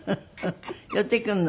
寄ってくるの？